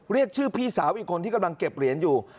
เรียกชื่อพี่สาวอีกคนที่กำลังเก็บเหรียญอยู่